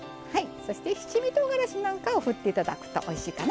そして七味とうがらしなんかを振っていただくとおいしいかな。